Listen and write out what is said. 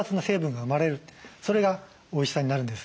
それがおいしさになるんです。